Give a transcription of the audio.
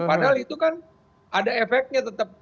padahal itu kan ada efeknya tetap